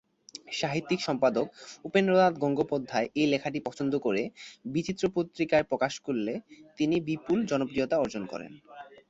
সাহিত্যিক-সম্পাদক উপেন্দ্রনাথ গঙ্গোপাধ্যায় এ লেখাটি পছন্দ করে বিচিত্রা পত্রিকায় প্রকাশ করলে তিনি বিপুল জনপ্রিয়তা অর্জন করেন।